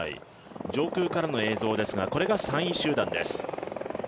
上空からの映像ですがこれが３位集団です。